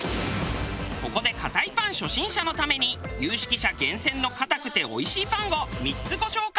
ここで硬いパン初心者のために有識者厳選の硬くておいしいパンを３つご紹介。